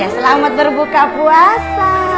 selamat berbuka puasa